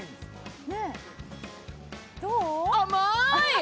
甘い。